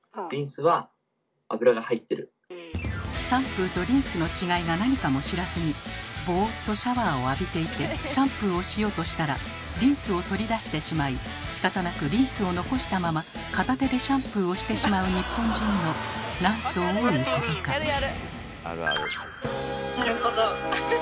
シャンプーとリンスの違いがなにかも知らずにボーっとシャワーを浴びていてシャンプーをしようとしたらリンスを取り出してしまいしかたなくリンスを残したまま片手でシャンプーをしてしまう日本人のなんと多いことか。